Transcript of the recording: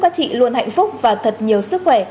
các chị luôn hạnh phúc và thật nhiều sức khỏe